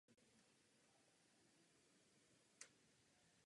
Rozmrzá na konci března až v dubnu.